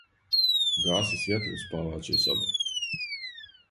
Угаси свјетло у спаваћој соби.